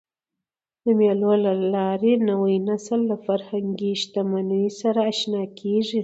د مېلو له لاري نوی نسل له فرهنګي شتمنیو سره اشنا کېږي.